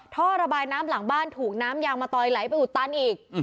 ท่อระบายน้ำหลังบ้านถูกน้ำยางมะตอยไหลไปอุดตันอีก